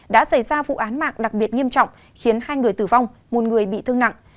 đã xảy ra vụ án mạng đặc biệt nghiêm trọng khiến hai người tử vong một người bị thương nặng